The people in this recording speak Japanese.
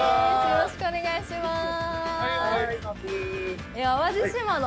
よろしくお願いします。